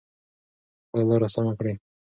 خپله لاره سمه کړئ.